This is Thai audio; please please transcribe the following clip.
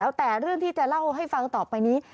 แล้วแต่เรื่องที่จะเล่าให้ฟังต่อไปนี้